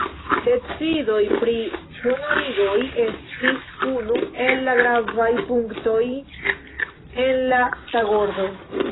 Decidoj pri honorigoj estis unu el la gravaj punktoj en la tagordo.